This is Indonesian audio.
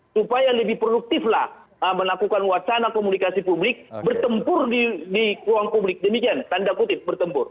supaya lebih produktiflah melakukan wacana komunikasi publik bertempur di ruang publik demikian tanda kutip bertempur